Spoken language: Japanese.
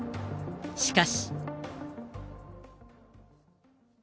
しかし。